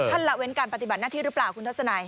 ละเว้นการปฏิบัติหน้าที่หรือเปล่าคุณทัศนัย